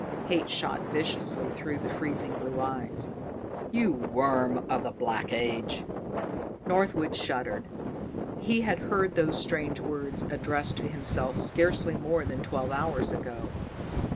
Hate shot viciously through the freezing blue eyes. "You worm of the Black Age!" Northwood shuddered. He had heard those strange words addressed to himself scarcely more than twelve hours ago.